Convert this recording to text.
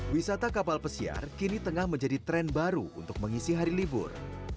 wisata kapal pesiar kini tengah menjadi tren baru untuk mengisi hari libur